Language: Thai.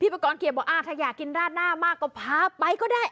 บอกว่าถ้าอยากกินราดหน้ามากก็พาไปก็ได้